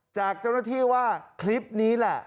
จากเจ้าหน้าที่ว่าคลิปนี้แหละ